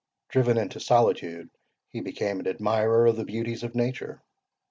Driven into solitude, he became an admirer of the beauties of nature.